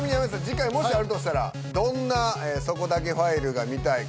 次回もしあるとしたらどんなそこだけファイルが見たい？